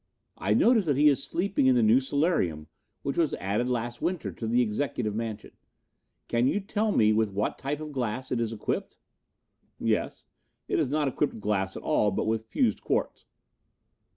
"I notice that he is sleeping in the new solarium which was added last winter to the executive mansion. Can you tell me with what type of glass it is equipped?" "Yes. It is not equipped with glass at all, but with fused quartz."